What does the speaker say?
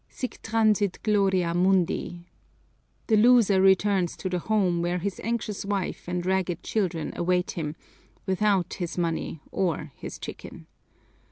Sic transit gloria mundi! The loser returns to the home where his anxious wife and ragged children await him, without his money or his chicken.